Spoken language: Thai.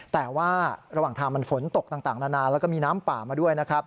แต่ว่าระหว่างทางมันฝนตกต่างนานาแล้วก็มีน้ำป่ามาด้วยนะครับ